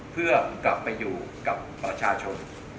เพื่อกลับไปอยู่กับประชาชน